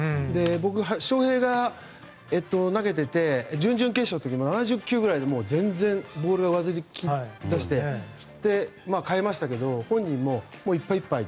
僕、翔平が投げていて準々決勝の時、７０球くらいで全然、ボールが上ずりだして代えましたけど本人もいっぱいいっぱい。